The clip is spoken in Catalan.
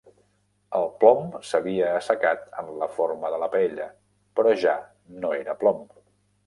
El plom s'havia assecat en la forma de la paella, però ja no era plom.